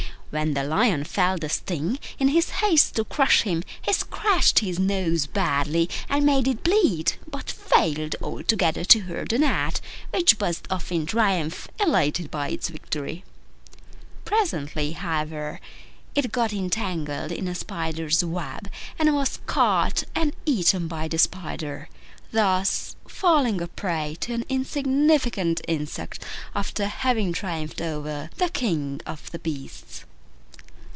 When the Lion felt the sting, in his haste to crush him he scratched his nose badly, and made it bleed, but failed altogether to hurt the Gnat, which buzzed off in triumph, elated by its victory. Presently, however, it got entangled in a spider's web, and was caught and eaten by the spider, thus falling a prey to an insignificant insect after having triumphed over the King of the Beasts.